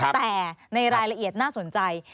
แต่ในรายละเอียดน่าสนใจ